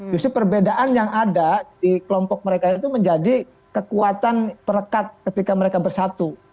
justru perbedaan yang ada di kelompok mereka itu menjadi kekuatan terekat ketika mereka bersatu